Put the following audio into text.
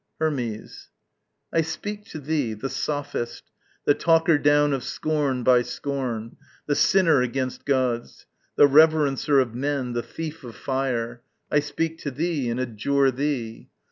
_ Hermes. I speak to thee, the sophist, the talker down Of scorn by scorn, the sinner against gods, The reverencer of men, the thief of fire, I speak to thee and adjure thee!